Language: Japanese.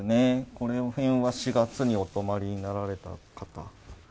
この辺は４月にお泊まりになられた方。